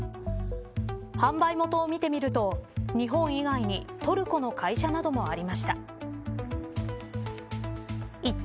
販売元を見てみると日本以外にトルコの会社などもありました。